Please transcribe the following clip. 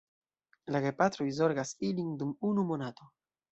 La gepatroj zorgas ilin dum unu monato.